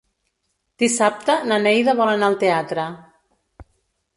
Dissabte na Neida vol anar al teatre.